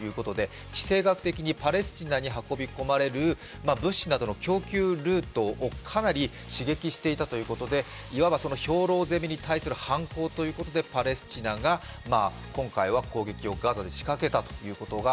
地政学的にパレスチナに運び込まれる物資などの供給ルートをかなり刺激していたということでいわば兵糧攻めに対する反攻ということでパレスチナ側が今回は攻撃をガザで仕掛けたという。